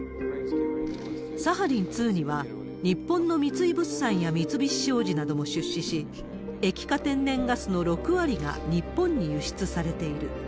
サハリン２には、日本の三井物産や三菱商事なども出資し、液化天然ガスの６割が日本に輸出されている。